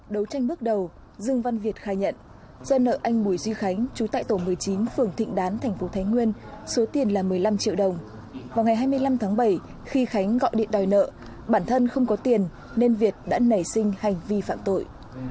đấu tranh bước đầu dương văn việt khai nhận do nợ anh bùi duy khánh chú tại tổ một mươi chín phường thịnh đán thành phố thái nguyên số tiền là một mươi năm triệu đồng vào ngày hai mươi năm tháng bảy khi khánh gọi điện đòi nợ bản thân không có tiền nên việt đã nảy sinh hành vi phạm tội